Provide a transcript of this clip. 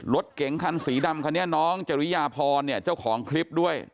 รถเก่งคันสีดำคนนี้น้องจะรุยาพอลเจ้าของคลิปด้วย